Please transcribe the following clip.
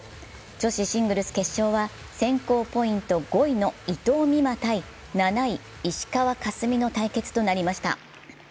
女子シングルス決勝は選考ポイント５位の伊藤美誠対、７位・石川佳純の対決となりました。